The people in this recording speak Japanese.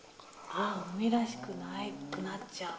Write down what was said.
ああ海らしくなくなっちゃう。